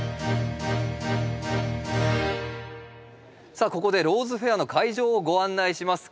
さあここで「ローズフェア」の会場をご案内します。